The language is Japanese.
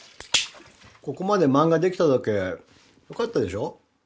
ここまで漫画できただけよかったでしょ？